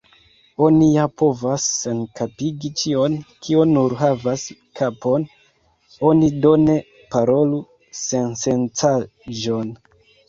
Oni ja povas senkapigi ĉion, kio nur havas kapon; oni do ne parolu sensencaĵon.